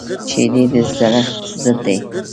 شیدې د زړښت ضد دي